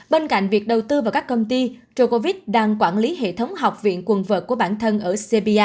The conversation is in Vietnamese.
bên cạnh việc đầu tư vào các công ty rocovite đang quản lý hệ thống học viện quần vợt của bản thân ở cbi